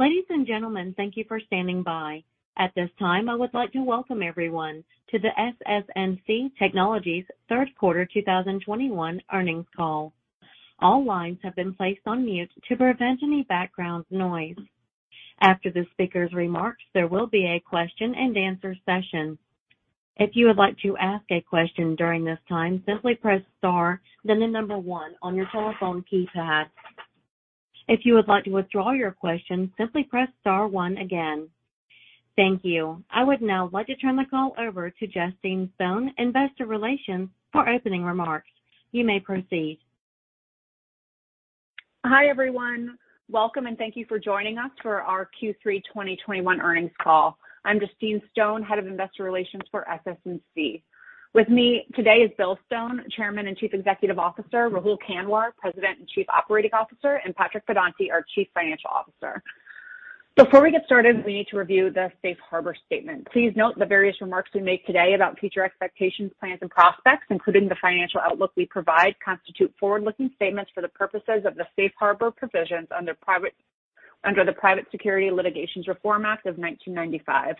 Ladies and gentlemen, thank you for standing by. At this time, I would like to welcome everyone to the SS&C Technologies third quarter 2021 earnings call. All lines have been placed on mute to prevent any background noise. After the speakers' remarks, there will be a question and answer session. If you would like to ask a question during this time, simply press star then the number one on your telephone keypad. If you would like to withdraw your question, simply press star one again. Thank you. I would now like to turn the call over to Justine Stone, Investor Relations, for opening remarks. You may proceed. Hi, everyone. Welcome. Thank you for joining us for our Q3 2021 earnings call. I'm Justine Stone, Head of Investor Relations for SS&C. With me today is Bill Stone, Chairman and Chief Executive Officer, Rahul Kanwar, President and Chief Operating Officer, and Patrick Pedonti, our Chief Financial Officer. Before we get started, we need to review the safe harbor statement. Please note the various remarks we make today about future expectations, plans, and prospects, including the financial outlook we provide constitute forward-looking statements for the purposes of the safe harbor provisions under the Private Securities Litigation Reform Act of 1995.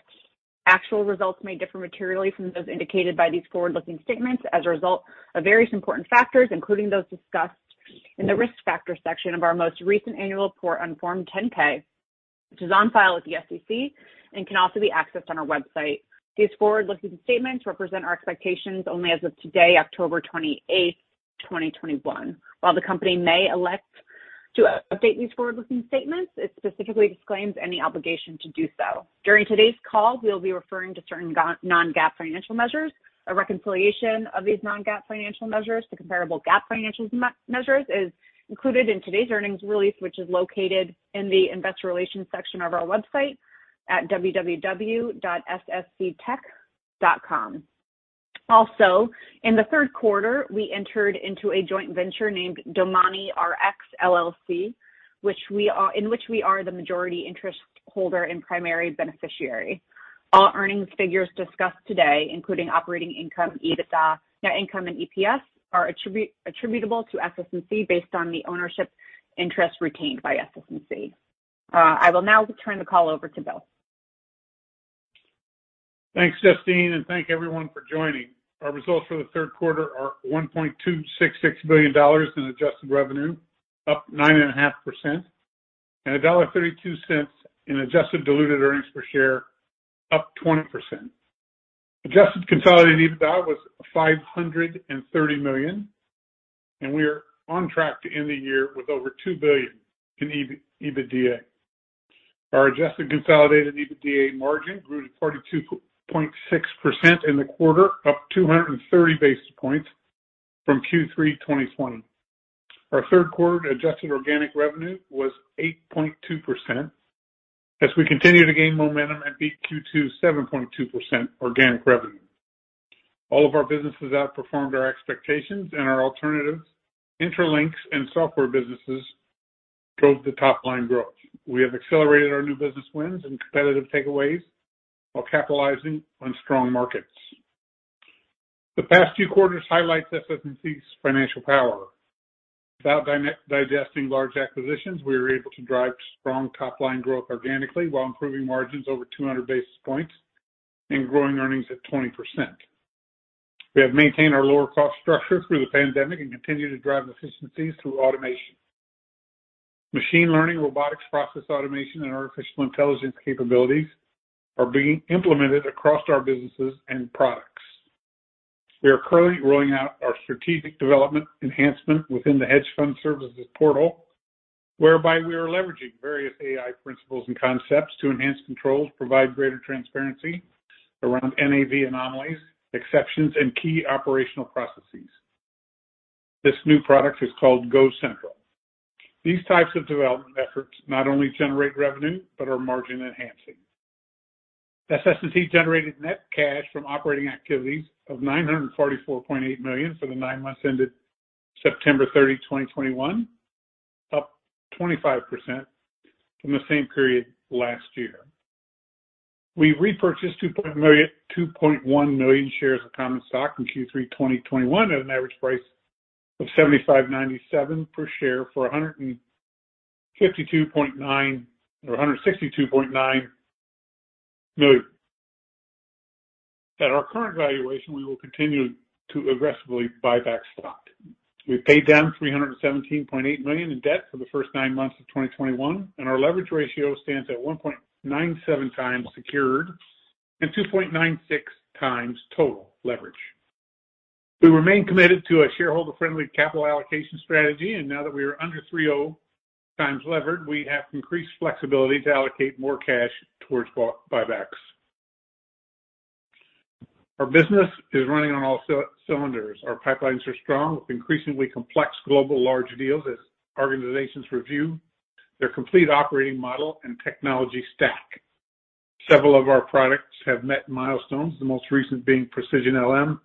Actual results may differ materially from those indicated by these forward-looking statements as a result of various important factors, including those discussed in the risk factor section of our most recent annual report on Form 10-K, which is on file with the SEC and can also be accessed on our website. These forward-looking statements represent our expectations only as of today, October 28th, 2021. While the company may elect to update these forward-looking statements, it specifically disclaims any obligation to do so. During today's call, we'll be referring to certain non-GAAP financial measures. A reconciliation of these non-GAAP financial measures to comparable GAAP financial measures is included in today's earnings release, which is located in the Investor Relations section of our website at www.ssctech.com. Also, in the third quarter, we entered into a joint venture named DomaniRx, LLC, in which we are the majority interest holder and primary beneficiary. All earnings figures discussed today, including operating income, EBITDA, net income, and EPS, are attributable to SS&C based on the ownership interest retained by SS&C. I will now turn the call over to Bill. Thanks, Justine. Thank everyone for joining. Our results for the third quarter are $1.266 billion in adjusted revenue, up 9.5%, and $1.32 in adjusted diluted earnings per share, up 20%. Adjusted consolidated EBITDA was $530 million, and we are on track to end the year with over $2 billion in EBITDA. Our adjusted consolidated EBITDA margin grew to 42.6% in the quarter, up 230 basis points from Q3 2020. Our third quarter adjusted organic revenue was 8.2% as we continue to gain momentum and beat Q2 7.2% organic revenue. All of our businesses outperformed our expectations and our alternatives, Intralinks, and software businesses drove the top-line growth. We have accelerated our new business wins and competitive takeaways while capitalizing on strong markets. The past few quarters highlight SS&C's financial power. Without digesting large acquisitions, we were able to drive strong top-line growth organically while improving margins over 200 basis points and growing earnings at 20%. We have maintained our lower cost structure through the pandemic and continue to drive efficiencies through automation. Machine learning, robotics process automation, and artificial intelligence capabilities are being implemented across our businesses and products. We are currently rolling out our strategic development enhancement within the hedge fund services portal, whereby we are leveraging various AI principles and concepts to enhance controls, provide greater transparency around NAV anomalies, exceptions, and key operational processes. This new product is called GoCentral. These types of development efforts not only generate revenue, but are margin-enhancing. SS&C generated net cash from operating activities of $944.8 million for the nine months ended September 30th, 2021, up 25% from the same period last year. We repurchased 2.1 million shares of common stock in Q3 2021 at an average price of $75.97 per share for $162.9 million. At our current valuation, we will continue to aggressively buy back stock. We paid down $317.8 million in debt for the first nine months of 2021, and our leverage ratio stands at 1.97x secured and 2.96x total leverage. We remain committed to a shareholder-friendly capital allocation strategy, and now that we are under 3.0x levered, we have increased flexibility to allocate more cash towards buybacks. Our business is running on all cylinders. Our pipelines are strong with increasingly complex global large deals as organizations review their complete operating model and technology stack. Several of our products have met milestones, the most recent being Precision LM,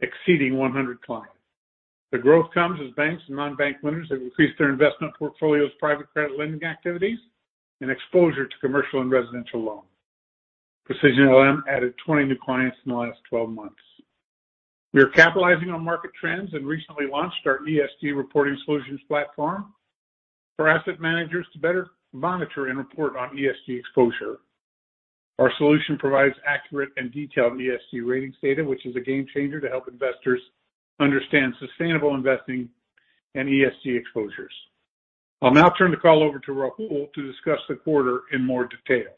exceeding 100 clients. The growth comes as banks and non-bank lenders have increased their investment portfolios, private credit lending activities, and exposure to commercial and residential loans. Precision LM added 20 new clients in the last 12 months. We are capitalizing on market trends and recently launched our ESG reporting solutions platform for asset managers to better monitor and report on ESG exposure. Our solution provides accurate and detailed ESG ratings data, which is a game changer to help investors understand sustainable investing and ESG exposures. I'll now turn the call over to Rahul to discuss the quarter in more detail.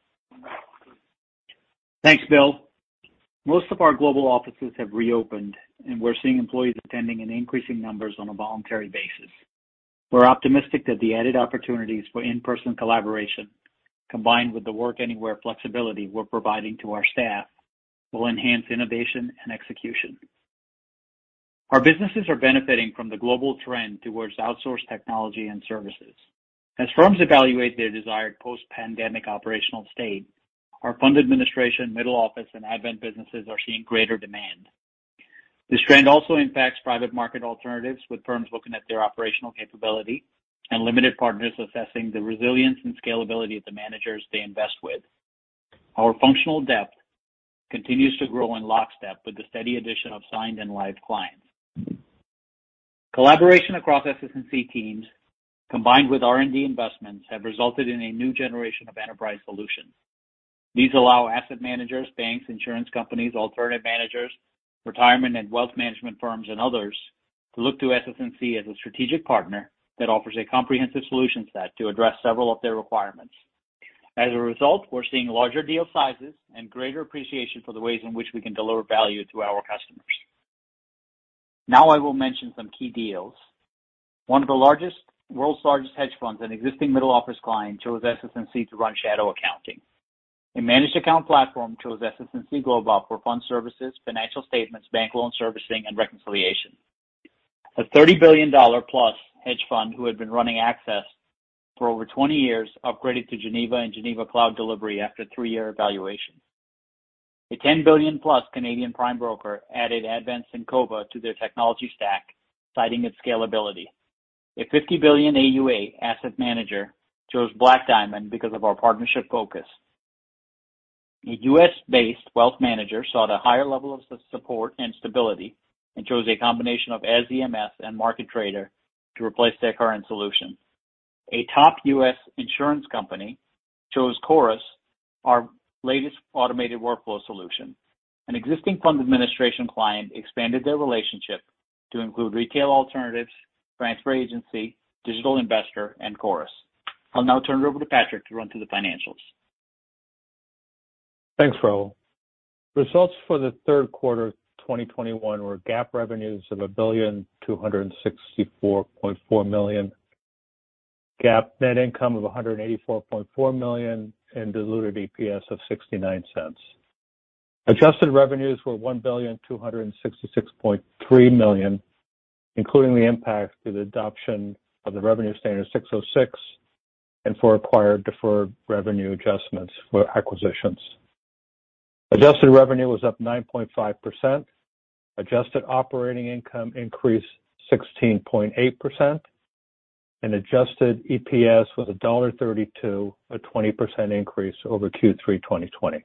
Thanks, Bill. Most of our global offices have reopened, and we're seeing employees attending in increasing numbers on a voluntary basis. We're optimistic that the added opportunities for in-person collaboration, combined with the work-anywhere flexibility we're providing to our staff, will enhance innovation and execution. Our businesses are benefiting from the global trend towards outsourced technology and services. As firms evaluate their desired post-pandemic operational state, our fund administration, middle office, and Advent businesses are seeing greater demand. This trend also impacts private market alternatives, with firms looking at their operational capability and limited partners assessing the resilience and scalability of the managers they invest with. Our functional depth continues to grow in lockstep with the steady addition of signed and live clients. Collaboration across SS&C teams, combined with R&D investments, have resulted in a new generation of enterprise solutions. These allow asset managers, banks, insurance companies, alternative managers, retirement and wealth management firms, and others to look to SS&C as a strategic partner that offers a comprehensive solution set to address several of their requirements. As a result, we're seeing larger deal sizes and greater appreciation for the ways in which we can deliver value to our customers. I will mention some key deals. One of the world's largest hedge funds and existing middle office client chose SS&C to run shadow accounting. A managed account platform chose SS&C Global for fund services, financial statements, bank loan servicing, and reconciliation. A $30+ billion hedge fund who had been running Access for over 20 years upgraded to Geneva and Geneva Cloud delivery after a three-year evaluation. A $10+ billion Canadian prime broker added Advent Syncova to their technology stack, citing its scalability. A $50 billion AUA asset manager chose Black Diamond because of our partnership focus. A U.S.-based wealth manager sought a higher level of support and stability and chose a combination of SEMS and MarketTrader to replace their current solution. A top U.S. insurance company chose Chorus, our latest automated workflow solution. An existing fund administration client expanded their relationship to include retail alternatives, Transfer Agency, Digital Investor, and Chorus. I'll now turn it over to Patrick to run through the financials. Thanks, Rahul. Results for the third quarter 2021 were GAAP revenues of $1,264.4 million, GAAP net income of $184.4 million, and diluted EPS of $0.69. Adjusted revenues were $1,266.3 million, including the impact to the adoption of the revenue standard 606 and for acquired deferred revenue adjustments for acquisitions. Adjusted revenue was up 9.5%. Adjusted operating income increased 16.8%, and adjusted EPS was $1.32, a 20% increase over Q3 2020.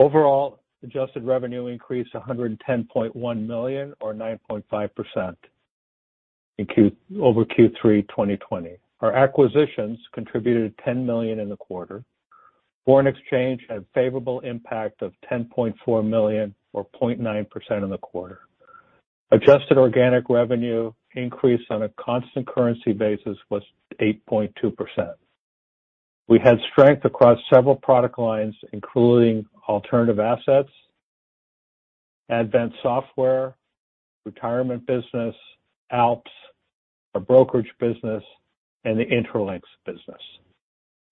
Overall, adjusted revenue increased $110.1 million or 9.5% over Q3 2020. Our acquisitions contributed $10 million in the quarter. Foreign exchange had favorable impact of $10.4 million or 0.9% in the quarter. Adjusted organic revenue increase on a constant currency basis was 8.2%. We had strength across several product lines, including alternative assets, Advent Software, retirement business, ALPS, our brokerage business, and the Intralinks business.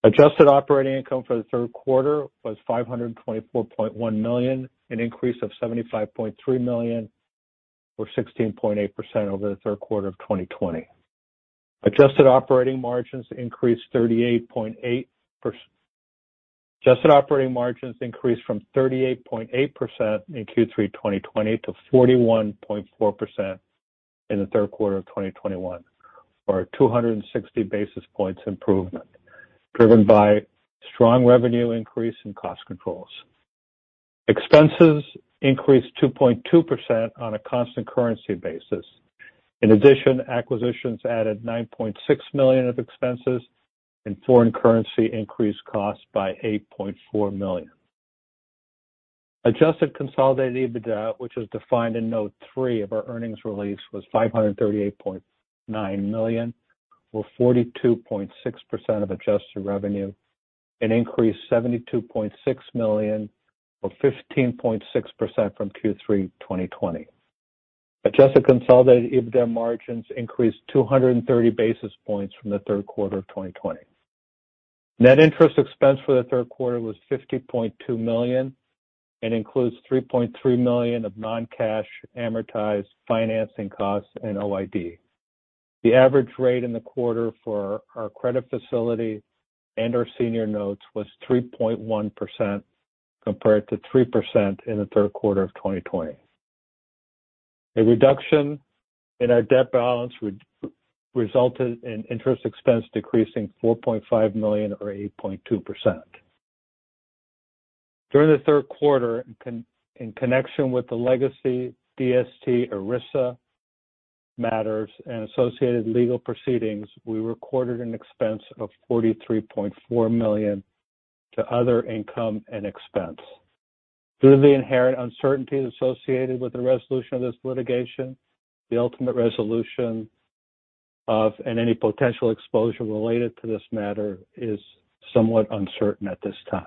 Adjusted operating income for the third quarter was $524.1 million, an increase of $75.3 million or 16.8% over the third quarter of 2020. Adjusted operating margins increased from 38.8% in Q3 2020 to 41.4% in the third quarter of 2021, or a 260 basis points improvement, driven by strong revenue increase and cost controls. Expenses increased 2.2% on a constant currency basis. In addition, acquisitions added $9.6 million of expenses, and foreign currency increased costs by $8.4 million. Adjusted consolidated EBITDA, which is defined in note three of our earnings release, was $538.9 million or 42.6% of adjusted revenue, an increase $72.6 million or 15.6% from Q3 2020. Adjusted consolidated EBITDA margins increased 230 basis points from the third quarter of 2020. Net interest expense for the third quarter was $50.2 million and includes $3.3 million of non-cash amortized financing costs and OID. The average rate in the quarter for our credit facility and our senior notes was 3.1%, compared to 3% in the third quarter of 2020. A reduction in our debt balance would result in interest expense decreasing $4.5 million or 8.2%. During the third quarter, in connection with the legacy DST/ERISA matters and associated legal proceedings, we recorded an expense of $43.4 million to other income and expense. Due to the inherent uncertainties associated with the resolution of this litigation, the ultimate resolution of, and any potential exposure related to this matter is somewhat uncertain at this time.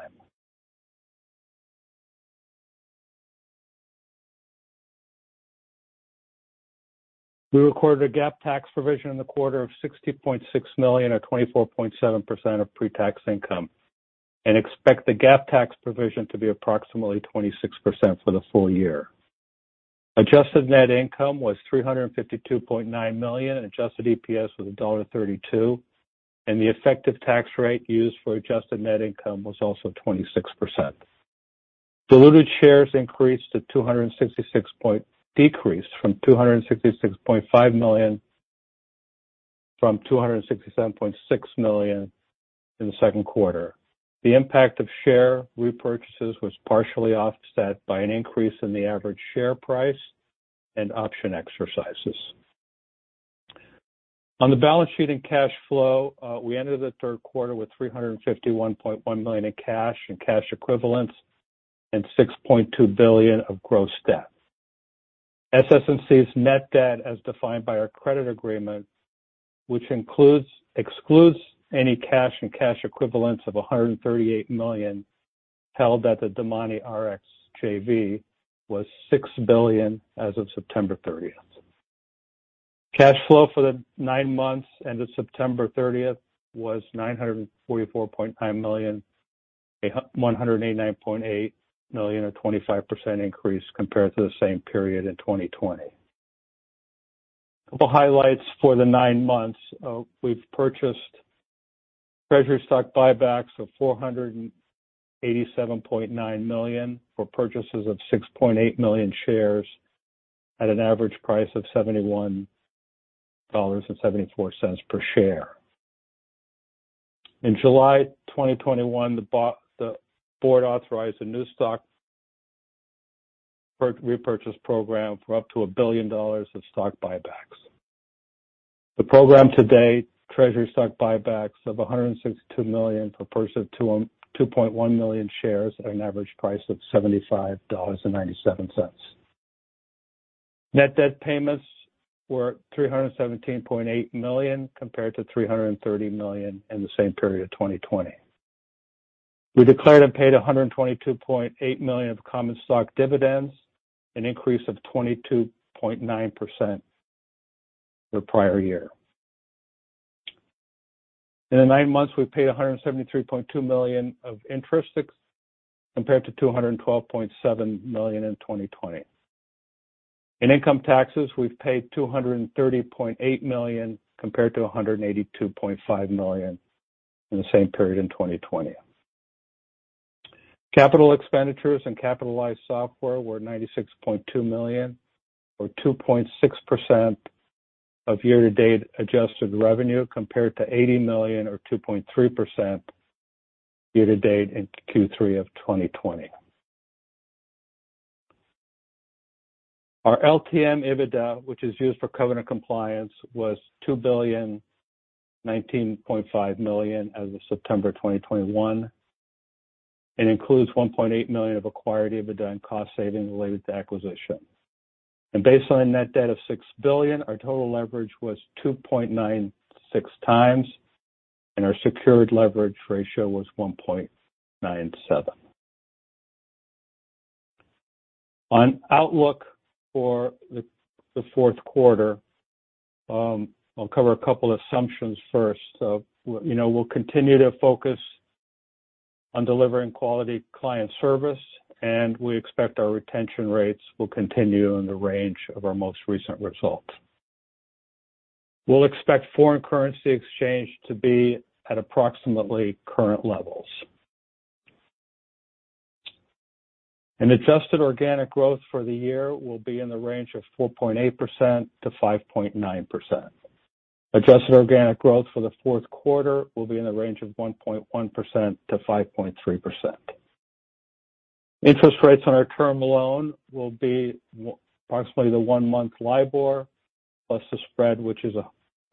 We recorded a GAAP tax provision in the quarter of $60.6 million, or 24.7% of pre-tax income, and expect the GAAP tax provision to be approximately 26% for the full year. Adjusted net income was $352.9 million, adjusted EPS was $1.32, and the effective tax rate used for adjusted net income was also 26%. Diluted shares decreased from 266.5 million from 267.6 million in the second quarter. The impact of share repurchases was partially offset by an increase in the average share price and option exercises. On the balance sheet and cash flow, we entered the third quarter with $351.1 million in cash and cash equivalents and $6.2 billion of gross debt. SS&C's net debt, as defined by our credit agreement, which excludes any cash and cash equivalents of $138 million held at the DomaniRx JV, was $6 billion as of September 30th. Cash flow for the nine months ended September 30th was $944.9 million, a $189.8 million or 25% increase compared to the same period in 2020. A couple highlights for the nine months. We've purchased treasury stock buybacks of $487.9 million for purchases of 6.8 million shares at an average price of $71.74 per share. In July 2021, the board authorized a new stock repurchase program for up to $1 billion of stock buybacks. The program to date, treasury stock buybacks of $162 million for purchase of 2.1 million shares at an average price of $75.97. Net debt payments were $317.8 million, compared to $330 million in the same period 2020. We declared and paid $122.8 million of common stock dividends, an increase of 22.9% the prior year. In the nine months, we've paid $173.2 million of interest compared to $212.7 million in 2020. In income taxes, we've paid $230.8 million, compared to $182.5 million in the same period in 2020. Capital expenditures and capitalized software were $96.2 million, or 2.6% of year-to-date adjusted revenue, compared to $80 million, or 2.3% year-to-date in Q3 of 2020. Our LTM EBITDA, which is used for covenant compliance, was $2,019.5 million as of September 2021, and includes $1.8 million of acquired EBITDA and cost saving related to acquisition. Based on net debt of $6 billion, our total leverage was 2.96x, and our secured leverage ratio was 1.97x. On outlook for the fourth quarter, I'll cover a couple assumptions first. We'll continue to focus on delivering quality client service, we expect our retention rates will continue in the range of our most recent results. We'll expect foreign currency exchange to be at approximately current levels. Adjusted organic growth for the year will be in the range of 4.8%-5.9%. Adjusted organic growth for the fourth quarter will be in the range of 1.1%-5.3%. Interest rates on our term loan will be approximately the one-month LIBOR plus the spread, which is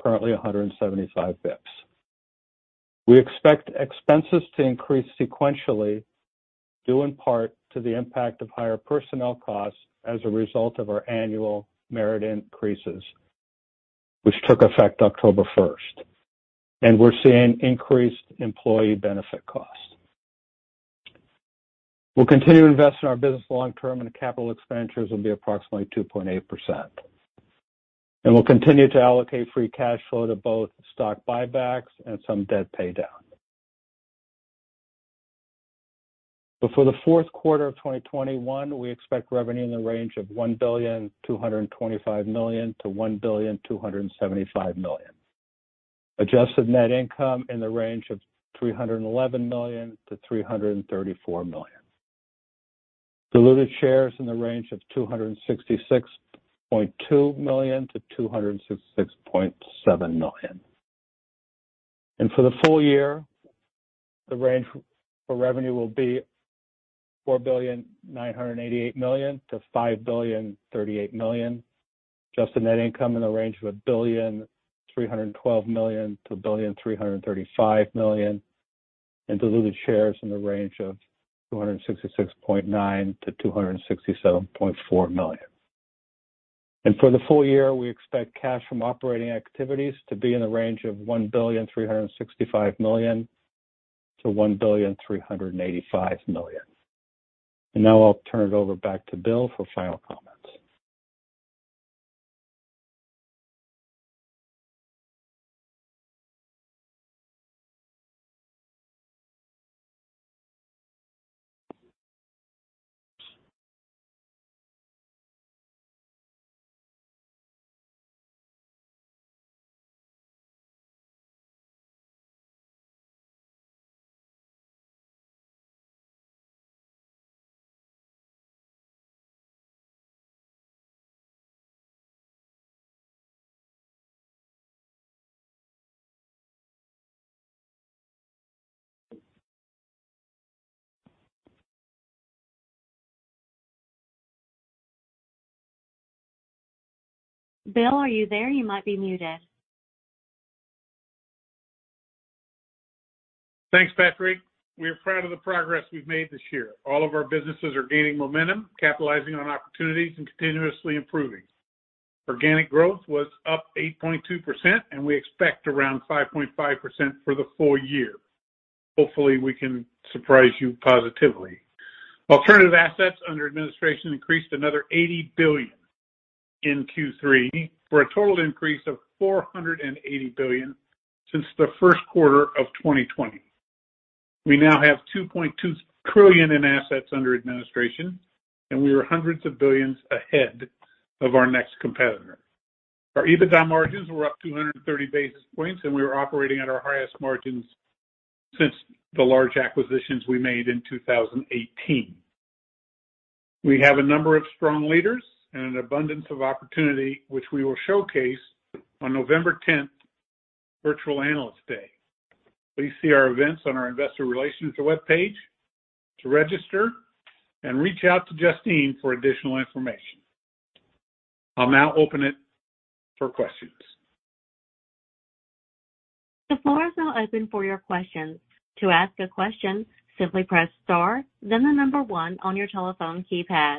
currently 175 basis points. We expect expenses to increase sequentially, due in part to the impact of higher personnel costs as a result of our annual merit increases, which took effect October 1st. We're seeing increased employee benefit costs. We'll continue to invest in our business long-term. Capital expenditures will be approximately 2.8%. We'll continue to allocate free cash flow to both stock buybacks and some debt paydown. For the fourth quarter of 2021, we expect revenue in the range of $1,225 million-$1,275 million. Adjusted net income in the range of $311 million-$334 million. Diluted shares in the range of 266.2 million-266.7 million. For the full year, the range for revenue will be $4.988 billion-$5.038 billion. Adjusted net income in the range of $1.312 billion-$1.335 billion, and diluted shares in the range of 266.9 million-267.4 million. For the full year, we expect cash from operating activities to be in the range of $1.365 billion-$1.385 billion. Now I'll turn it over back to Bill for final comments. Bill, are you there? You might be muted. Thanks, Patrick. We are proud of the progress we've made this year. All of our businesses are gaining momentum, capitalizing on opportunities, and continuously improving. Organic growth was up 8.2%, and we expect around 5.5% for the full year. Hopefully, we can surprise you positively. Alternative assets under administration increased another $80 billion in Q3, for a total increase of $480 billion since the first quarter of 2020. We now have $2.2 trillion in assets under administration, and we are hundreds of billions ahead of our next competitor. Our EBITDA margins were up 230 basis points, and we are operating at our highest margins since the large acquisitions we made in 2018. We have a number of strong leaders and an abundance of opportunity, which we will showcase on November 10th, Virtual Analyst Day. Please see our events on our investor relations webpage to register and reach out to Justine for additional information. I'll now open it for questions. The floor is now open for your questions. To ask a question, simply press star, then the number one on your telephone keypad.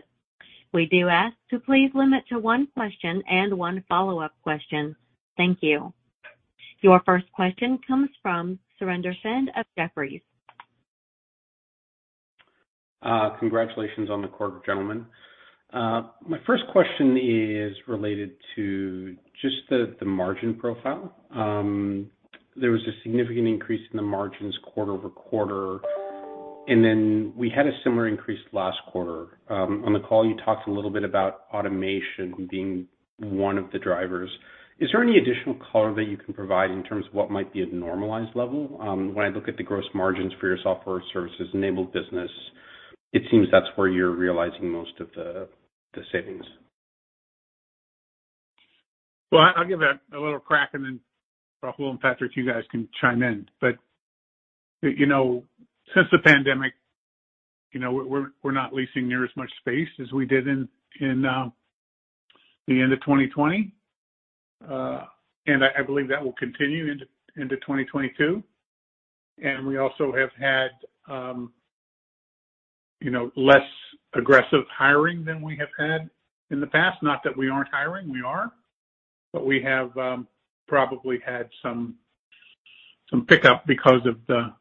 We do ask to please limit to one question and 1 follow-up question. Thank you. Your first question comes from Surinder Thind of Jefferies. Congratulations on the quarter, gentlemen. My first question is related to just the margin profile. There was a significant increase in the margins quarter-over-quarter, and then we had a similar increase last quarter. On the call, you talked a little bit about automation being one of the drivers. Is there any additional color that you can provide in terms of what might be a normalized level? When I look at the gross margins for your software services-enabled business, it seems that's where you're realizing most of the savings. Well, I'll give it a little crack, then Rahul and Patrick, you guys can chime in. Since the pandemic, we're not leasing near as much space as we did in the end of 2020. I believe that will continue into 2022. We also have had less aggressive hiring than we have had in the past. Not that we aren't hiring. We are. We have probably had some pickup because of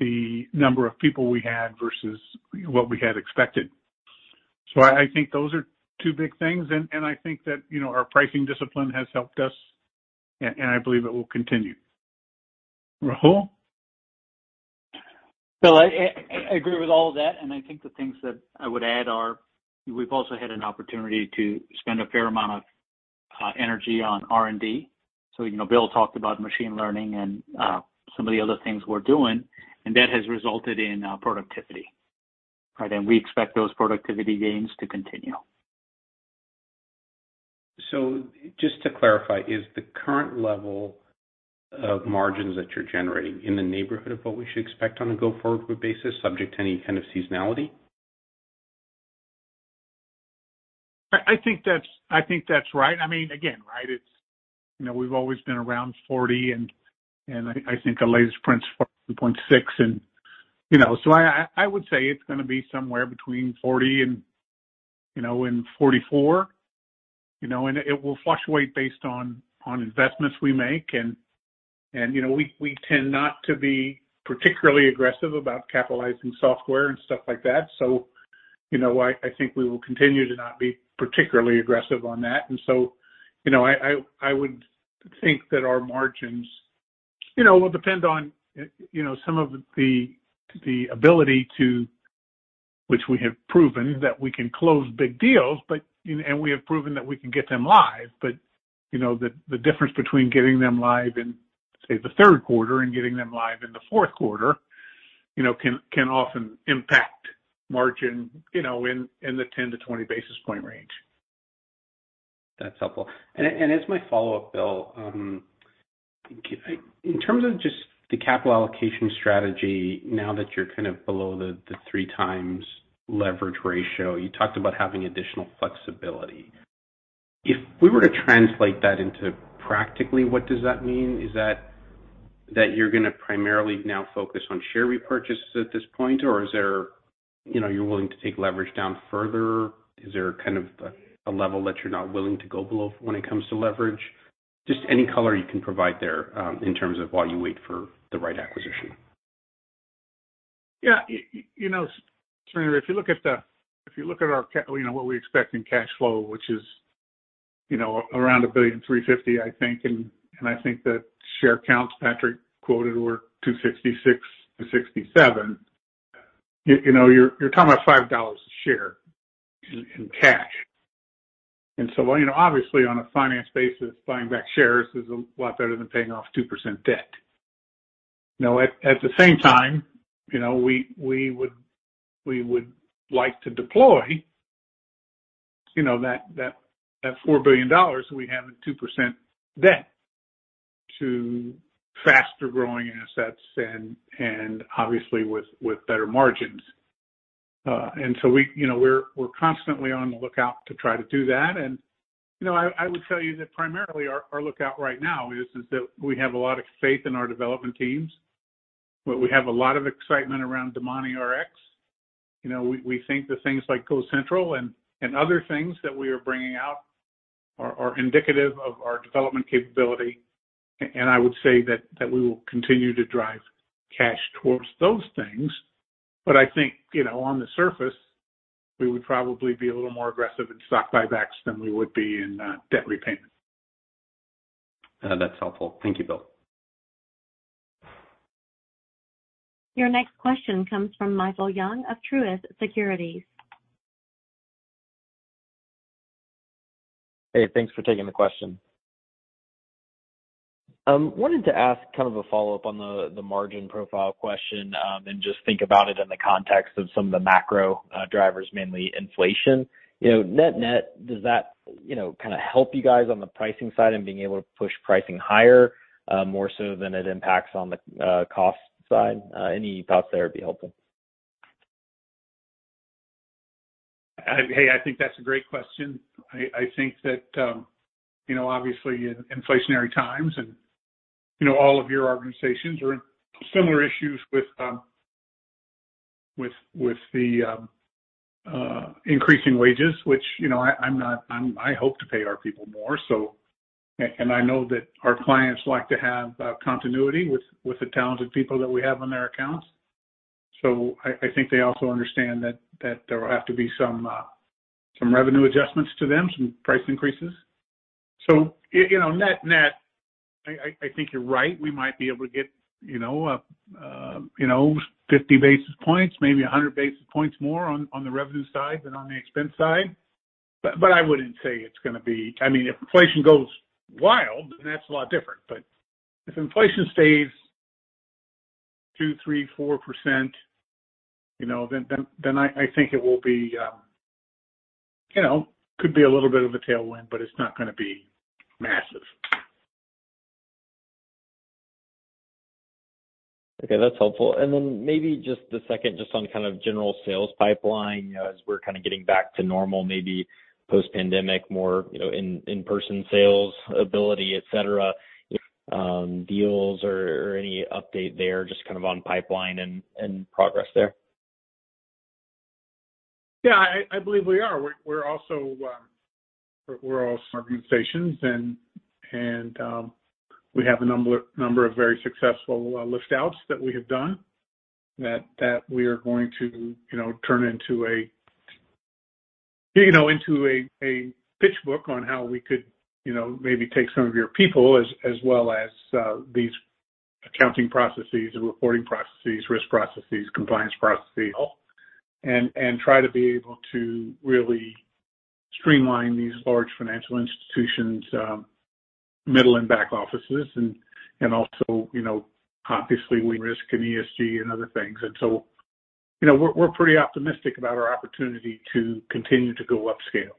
the number of people we had versus what we had expected. I think those are two big things, and I think that our pricing discipline has helped us, and I believe it will continue. Rahul? Bill, I agree with all of that. I think the things that I would add are we've also had an opportunity to spend a fair amount of energy on R&D. Bill talked about machine learning and some of the other things we're doing. That has resulted in productivity. All right? We expect those productivity gains to continue. Just to clarify, is the current level of margins that you're generating in the neighborhood of what we should expect on a go-forward basis, subject to any kind of seasonality? I think that's right. We've always been around 40%, and I think the latest print's 40.6%. I would say it's going to be somewhere between 40% and 44%. It will fluctuate based on investments we make, and we tend not to be particularly aggressive about capitalizing software and stuff like that. I think we will continue to not be particularly aggressive on that. I would think that our margins will depend on some of the ability to which we have proven that we can close big deals, and we have proven that we can get them live. The difference between getting them live in, say, the third quarter and getting them live in the fourth quarter, can often impact margin in the 10-20 basis point range. That's helpful. As my follow-up, Bill, in terms of just the capital allocation strategy, now that you're kind of below the 3x leverage ratio, you talked about having additional flexibility. If we were to translate that into practically, what does that mean? Is that you're going to primarily now focus on share repurchases at this point? Or is there, you're willing to take leverage down further? Is there a level that you're not willing to go below when it comes to leverage? Just any color you can provide there, in terms of while you wait for the right acquisition? Surinder, if you look at what we expect in cash flow, which is around $1.35 billion, I think. I think the share counts Patrick quoted were 266 million-267 million. You're talking about $5 a share in cash. Obviously on a finance basis, buying back shares is a lot better than paying off 2% debt. At the same time, we would like to deploy that $4 billion we have in 2% debt to faster-growing assets and obviously with better margins. We're constantly on the lookout to try to do that. I would tell you that primarily our lookout right now is that we have a lot of faith in our development teams, but we have a lot of excitement around DomaniRx. We think that things like GoCentral and other things that we are bringing out are indicative of our development capability. I would say that we will continue to drive cash towards those things. I think, on the surface, we would probably be a little more aggressive in stock buybacks than we would be in debt repayment. That's helpful. Thank you, Bill. Your next question comes from Michael Young of Truist Securities. Hey, thanks for taking the question. Wanted to ask kind of a follow-up on the margin profile question, and just think about it in the context of some of the macro drivers, mainly inflation. Net-net, does that kind of help you guys on the pricing side and being able to push pricing higher, more so than it impacts on the cost side? Any thoughts there would be helpful. Hey, I think that's a great question. I think that, obviously in inflationary times and all of your organizations are in similar issues with the increasing wages, which I hope to pay our people more, and I know that our clients like to have continuity with the talented people that we have on their accounts. I think they also understand that there will have to be some revenue adjustments to them, some price increases. Net net, I think you're right. We might be able to get 50 basis points, maybe 100 basis points more on the revenue side than on the expense side. If inflation goes wild, then that's a lot different. If inflation stays 2%, 3%, 4%, then I think it could be a little bit of a tailwind, but it's not going to be massive. Okay, that's helpful. Maybe just the second, just on kind of general sales pipeline as we're kind of getting back to normal, maybe post-pandemic, more in-person sales ability, et cetera, deals or any update there, just kind of on pipeline and progress there? Yeah, I believe we are. We're also organizations and we have a number of very successful list outs that we have done that we are going to turn into a pitch book on how we could maybe take some of your people as well as these accounting processes and reporting processes, risk processes, compliance processes, and try to be able to really streamline these large financial institutions, middle and back offices, and also, obviously risk and ESG and other things. We're pretty optimistic about our opportunity to continue to go upscale.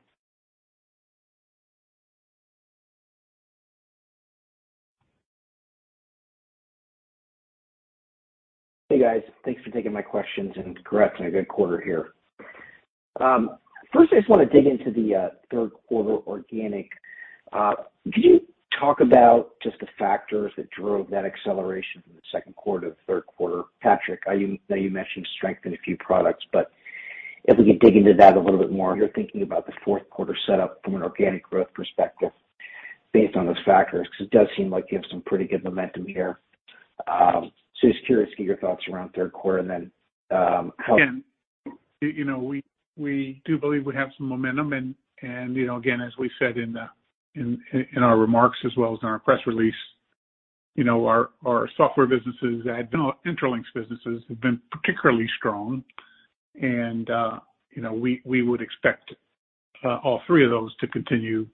Hey, guys. Thanks for taking my questions and congrats on a good quarter here. I just want to dig into the third quarter organic. Could you talk about just the factors that drove that acceleration from the second quarter to third quarter? Patrick, I know you mentioned strength in a few products, but if we could dig into that a little bit more, you're thinking about the fourth quarter set up from an organic growth perspective based on those factors, because it does seem like you have some pretty good momentum here. Just curious to get your thoughts around third quarter. Again, we do believe we have some momentum and, again, as we said in our remarks as well as in our press release. Our Intralinks businesses have been particularly strong and we would expect all three of those to continue.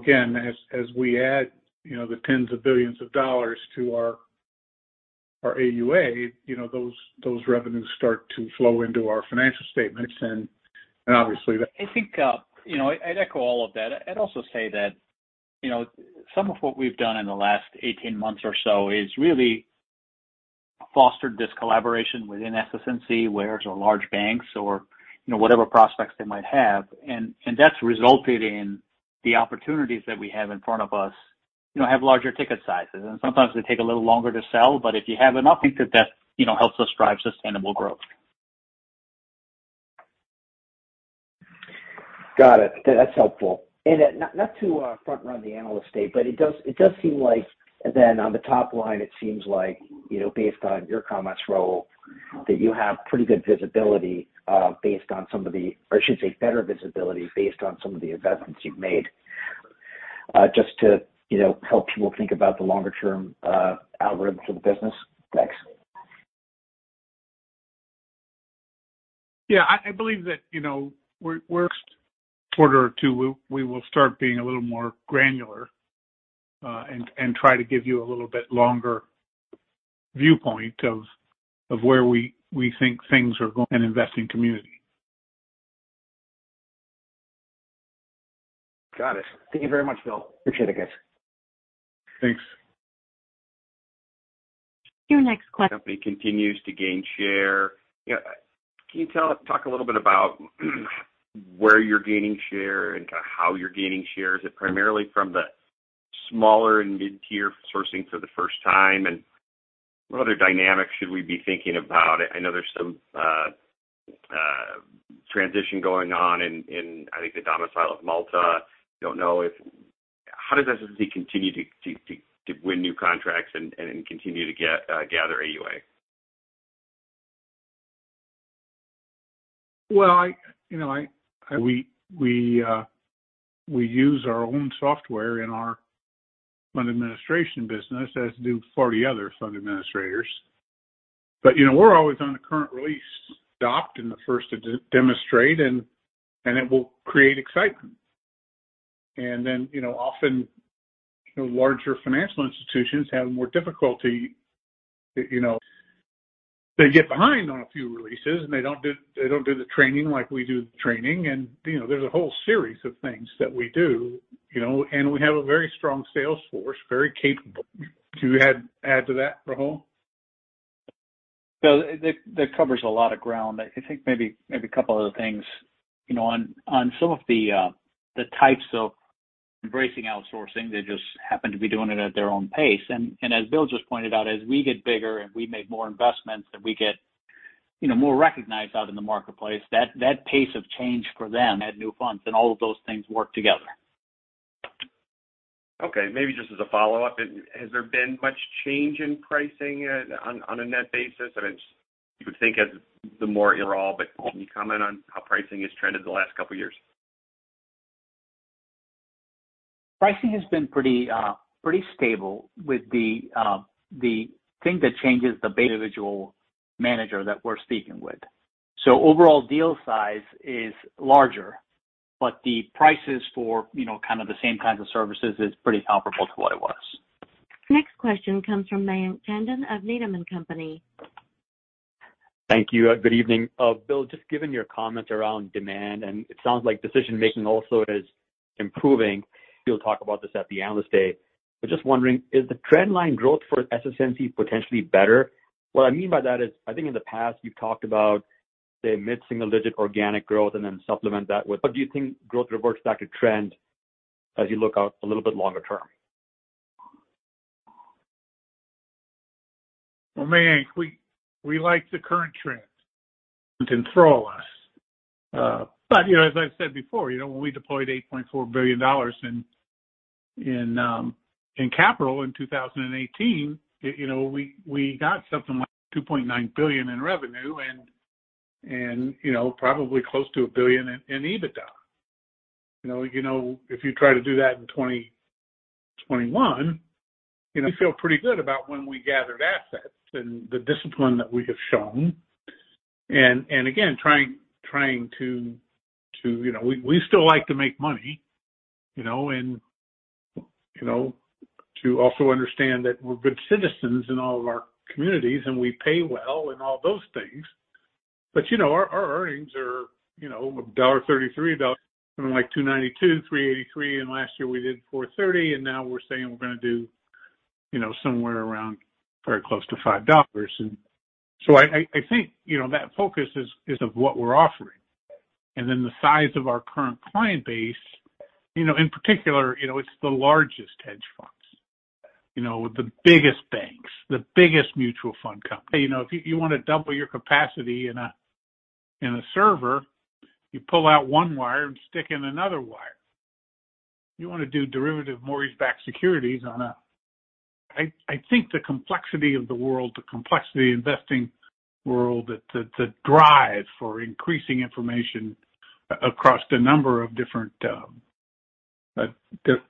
Again, as we add the tens of billions of dollars to our AUA, those revenues start to flow into our financial statements. I think I'd echo all of that. I'd also say that some of what we've done in the last 18 months or so has really fostered this collaboration within SS&C, whereas our large banks or whatever prospects they might have. That's resulted in the opportunities that we have in front of us have larger ticket sizes, and sometimes they take a little longer to sell. If you have enough, I think that helps us drive sustainable growth. Got it. That's helpful. Not to front run the Analyst Day, but it does seem like then on the top line, it seems like based on your comments, Rahul, that you have better visibility based on some of the investments you've made. Just to help people think about the longer-term outlook for the business. Thanks. Yeah, I believe that next quarter or two, we will start being a little more granular, and try to give you a little bit longer viewpoint of where we think things are going and investing community. Got it. Thank you very much, Bill. Appreciate it, guys. Thanks. Your next question. Company continues to gain share. Can you talk a little bit about where you're gaining share and how you're gaining share? Is it primarily from the smaller and mid-tier sourcing for the first time, and what other dynamics should we be thinking about? I know there's some transition going on in, I think, the domicile of Malta. How does SS&C continue to win new contracts and continue to gather AUA? We use our own software in our fund administration business, as do 40 other fund administrators. We're always on the current release, Advent and the first to demonstrate, and it will create excitement. Often larger financial institutions have more difficulty. They get behind on a few releases, and they don't do the training like we do the training. There's a whole series of things that we do. We have a very strong sales force, very capable. Do you add to that, Rahul? Bill, that covers a lot of ground. I think maybe a couple other things. On some of the types of embracing outsourcing, they just happen to be doing it at their own pace. As Bill just pointed out, as we get bigger and we make more investments, and we get more recognized out in the marketplace, that pace of change for them add new funds, and all of those things work together. Okay, maybe just as a follow-up. Has there been much change in pricing on a net basis? You would think as the more overall, but can you comment on how pricing has trended the last couple of years? Pricing has been pretty stable with the thing that changes the base individual manager that we're speaking with. Overall deal size is larger, but the prices for kind of the same kinds of services is pretty comparable to what it was. Next question comes from Mayank Tandon of Needham & Company. Thank you. Good evening. Bill, just given your comments around demand, and it sounds like decision-making also is improving. You'll talk about this at the Analyst Day. Just wondering, is the trend line growth for SS&C potentially better? What I mean by that is, I think in the past you've talked about, say, mid-single-digit organic growth. How do you think growth reverts back to trend as you look out a little bit longer term? Mayank, we like the current trends enthrall us. As I said before, when we deployed $8.4 billion in capital in 2018, we got something like $2.9 billion in revenue and probably close to $1 billion in EBITDA. If you try to do that in 2021. We feel pretty good about when we gathered assets and the discipline that we have shown. Again, we still like to make money. To also understand that we're good citizens in all of our communities and we pay well and all those things. Our earnings are $1.33, something like $2.92-$3.83, and last year we did $4.30, and now we're saying we're going to do somewhere around very close to $5. I think that focus is of what we're offering. The size of our current client base, in particular, it's the largest hedge funds, with the biggest banks, the biggest mutual fund companies. If you want to double your capacity in a server, you pull out one wire and stick in another wire. I think the complexity of the world, the complexity investing world, the drive for increasing information that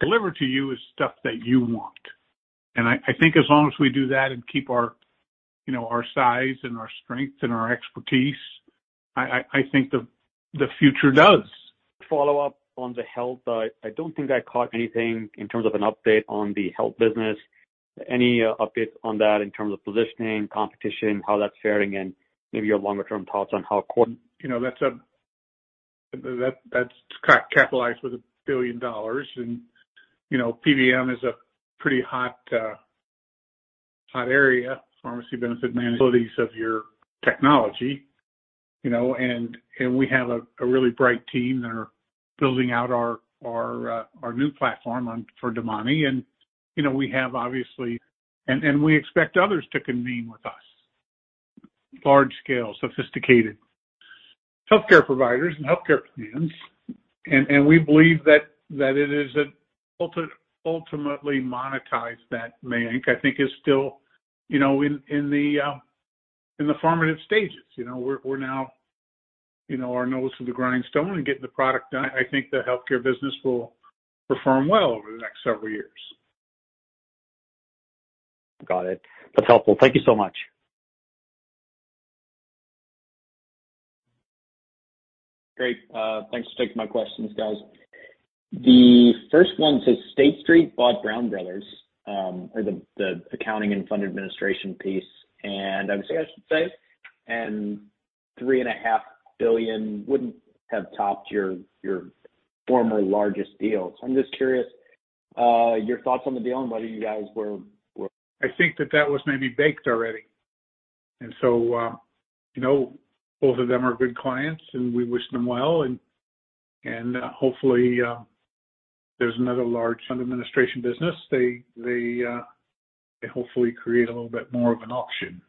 deliver to you is stuff that you want. I think as long as we do that and keep our size and our strengths and our expertise, I think the future does. Follow up on the health. I don't think I caught anything in terms of an update on the health business. Any updates on that in terms of positioning, competition, how that's faring, and maybe your longer-term thoughts on how? That's capitalized with $1 billion. PBM is a pretty hot area, pharmacy benefit management. Abilities of your technology. We have a really bright team that are building out our new platform for DomaniRx. We have, obviously. We expect others to convene with us. Large scale, sophisticated healthcare providers and healthcare plans. We believe that it is. Ultimately monetize that bank, I think is still in the formative stages. We're now our nose to the grindstone and getting the product done. I think the healthcare business will perform well over the next several years. Got it. That's helpful. Thank you so much. Great. Thanks for taking my questions, guys. The first one says State Street bought Brown Brothers, or the accounting and fund administration piece. I would say, I should say, and $3.5 billion wouldn't have topped your former largest deal. I'm just curious, your thoughts on the deal and whether you guys were. I think that that was maybe baked already. Both of them are good clients, and we wish them well. Hopefully, there's another large fund administration business. They hopefully create a little bit more of an auction.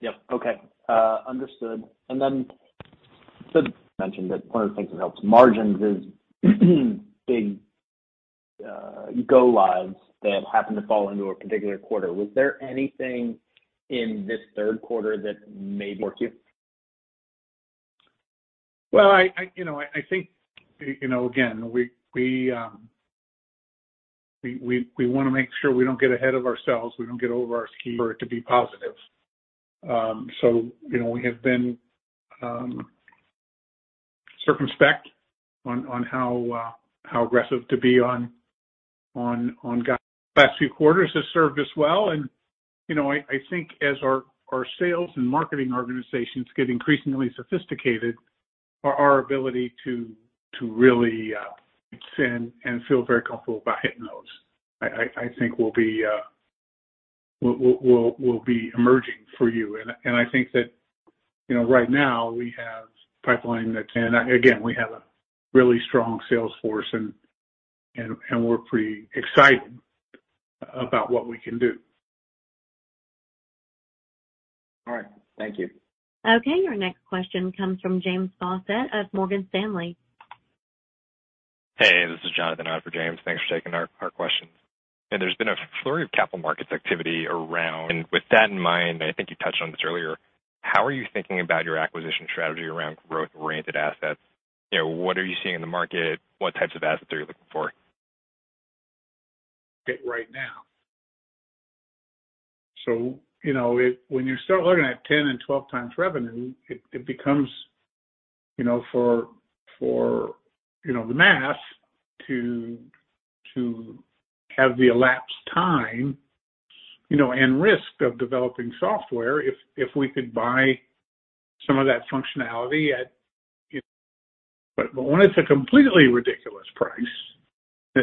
Yep. Okay. Understood. Sid mentioned that one of the things that helps margins is big go lives that happen to fall into a particular quarter. Was there anything in this third quarter that maybe? Well, I think, again, we want to make sure we don't get ahead of ourselves. We don't get over our skis. For it to be positive. We have been circumspect on how aggressive to be on guidance. Last few quarters has served us well. I think as our sales and marketing organizations get increasingly sophisticated, our ability to really hit targets and feel very comfortable about hitting those, I think will be emerging for you. I think that right now we have pipeline. Again, we have a really strong sales force, and we're pretty excited about what we can do. All right. Thank you. Okay, your next question comes from James Faucette of Morgan Stanley. Hey, this is Jonathan in for James. Thanks for taking our questions. There's been a flurry of capital markets activity. With that in mind, I think you touched on this earlier, how are you thinking about your acquisition strategy around growth-oriented assets? What are you seeing in the market? What types of assets are you looking for? Right now. When you start looking at 10x and 12x revenue, it becomes for the math to have the elapsed time and risk of developing software if we could buy some of that functionality. But when it's a completely ridiculous price,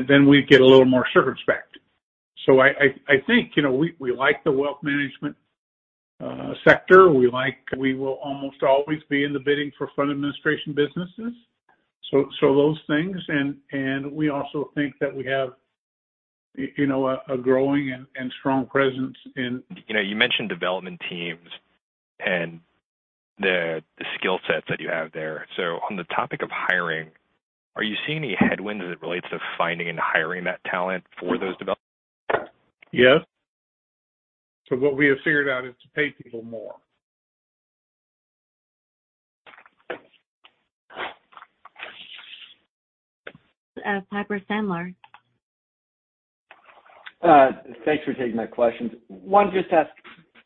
then we get a little more circumspect. I think we like the wealth management sector. We will almost always be in the bidding for fund administration businesses. Those things, and we also think that we have a growing and strong presence. You mentioned development teams and the skill sets that you have there. On the topic of hiring, are you seeing any headwinds as it relates to finding and hiring that talent for those development? Yes. What we have figured out is to pay people more. Piper Sandler. Thanks for taking my questions. I wanted just to ask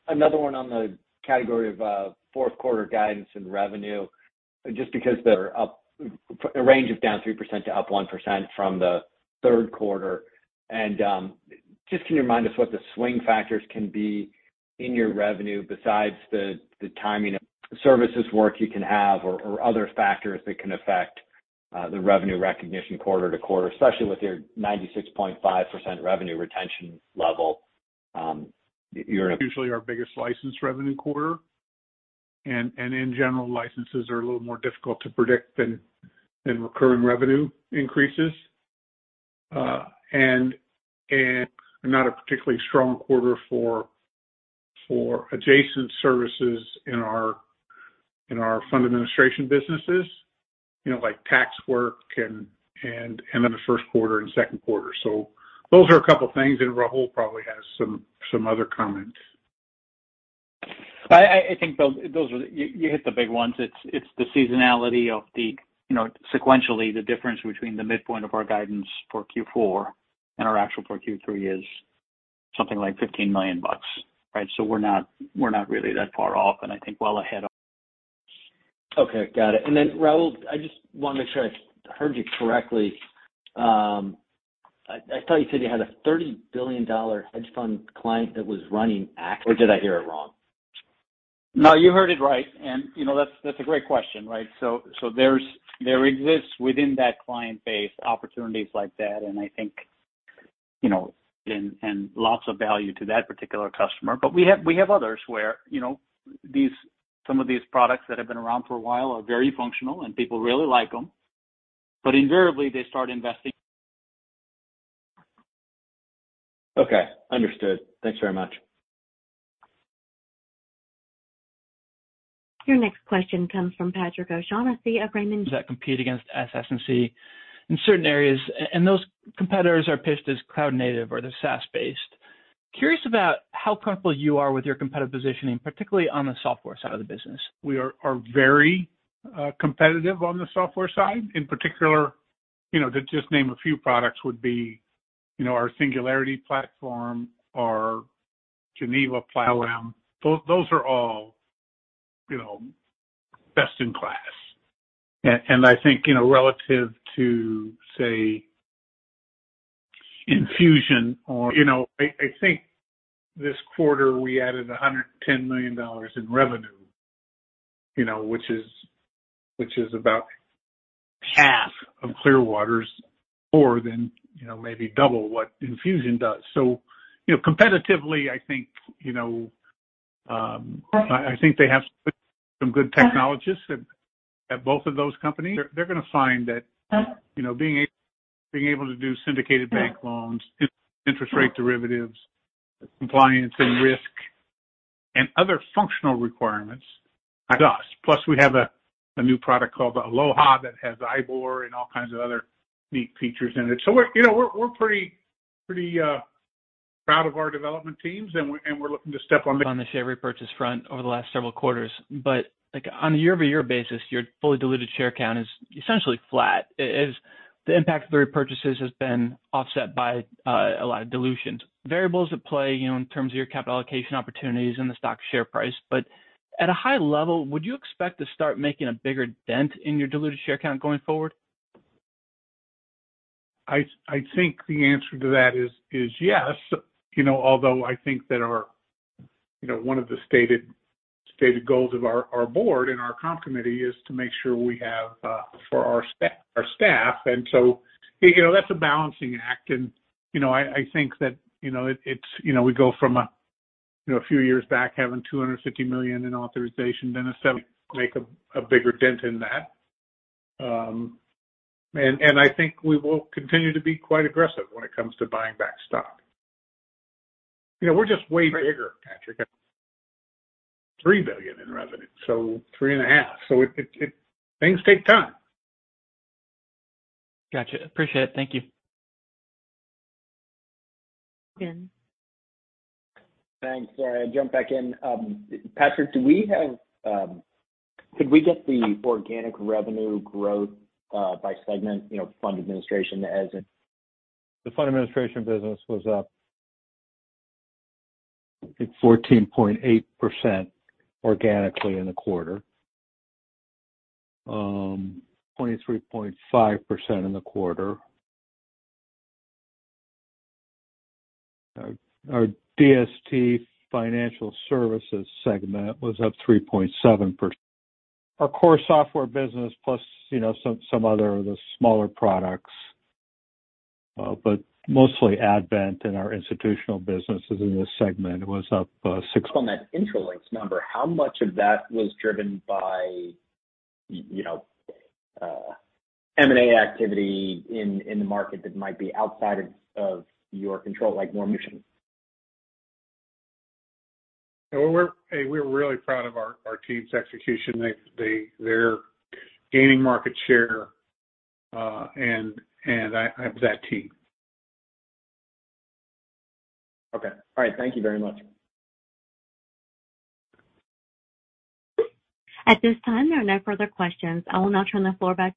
another one on the category of fourth quarter guidance and revenue, just because they're up, a range of down 3% to up 1% from the third quarter. Just can you remind us what the swing factors can be in your revenue besides the timing of services work you can have or other factors that can affect the revenue recognition quarter to quarter, especially with your 96.5% revenue retention level. Usually our biggest license revenue quarter. In general, licenses are a little more difficult to predict than recurring revenue increases. Not a particularly strong quarter for adjacent services in our fund administration businesses, like tax work in the first quarter and second quarter. Those are a couple things, and Rahul probably has some other comments. I think you hit the big ones. It's the seasonality of the, sequentially, the difference between the midpoint of our guidance for Q4 and our actual for Q3 is something like $15 million, right? We're not really that far off, and I think well ahead of. Okay. Got it. Then Rahul, I just want to make sure I heard you correctly. I thought you said you had a $30 billion hedge fund client that was running AC, or did I hear it wrong? No, you heard it right. That's a great question. There exists within that client base, opportunities like that, and I think, and lots of value to that particular customer. We have others where some of these products that have been around for a while are very functional and people really like them. Invariably they start. Okay. Understood. Thanks very much. Your next question comes from Patrick O'Shaughnessy of Raymond James. That compete against SS&C in certain areas, and those competitors are pitched as cloud native or they're SaaS-based. Curious about how comfortable you are with your competitive positioning, particularly on the software side of the business? We are very competitive on the software side. In particular, to just name a few products would be our Singularity platform, our Geneva platform. Those are all best in class. I think, relative to, say, Enfusion or I think this quarter we added $110 million in revenue, which is about half of Clearwater's more than maybe double what Enfusion does. Competitively, I think they have some good technologists at both of those companies. They're going to find that being able to do syndicated bank loans, interest rate derivatives, compliance and risk, and other functional requirements like us. Plus we have a new product called Aloha that has IBOR and all kinds of other neat features in it. We're pretty proud of our development teams. On the share repurchase front over the last several quarters. On a year-over-year basis, your fully diluted share count is essentially flat, as the impact of the repurchases has been offset by a lot of dilutions. Variables at play in terms of your capital allocation opportunities and the stock share price. At a high level, would you expect to start making a bigger dent in your diluted share count going forward? I think the answer to that is yes. Although I think that one of the stated goals of our board and our comp committee is to make sure we have for our staff. That's a balancing act, and I think that we go from a few years back having $250 million in authorization than make a bigger dent in that. I think we will continue to be quite aggressive when it comes to buying back stock. We're just way bigger, Patrick. $3 billion in revenue. $3.5 billion. Things take time. Gotcha. Appreciate it. Thank you. Ben. Thanks. Jump back in. Patrick, could we get the organic revenue growth by segment, fund administration to asset? The fund administration business was up, I think, 14.8% organically in the quarter. 23.5% in the quarter. Our DST Financial Services segment was up 3.7%. Our core software business plus some other of the smaller products, but mostly Advent and our institutional businesses in this segment was up 6- On that Intralinks number, how much of that was driven by M&A activity in the market that might be outside of your control, like more mission? We're really proud of our team's execution. They're gaining market share, and I have that team. Okay. All right. Thank you very much. At this time, there are no further questions. I will now turn the floor back-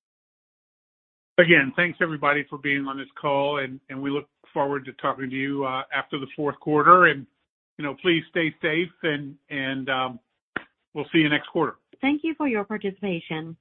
Again, thanks everybody for being on this call, and we look forward to talking to you after the fourth quarter. Please stay safe, and we'll see you next quarter. Thank you for your participation.